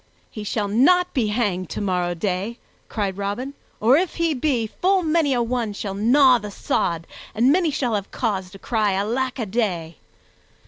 "He shall not be hanged tomorrow day," cried Robin; "or, if he be, full many a one shall gnaw the sod, and many shall have cause to cry Alack a day!"